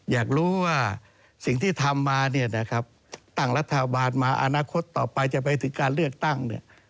อยากรู้ว่าสิ่งที่ทำมาตั้งรัฐบาลมาอนาคตต่อไปจะไปถึงการเลือกตั้ง